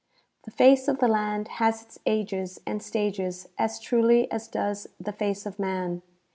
The face of the land has its ages and stages as truly as does the face of man.